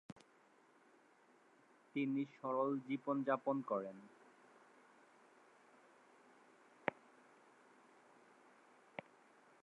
তিনি সরল জীবনযাপন করেন।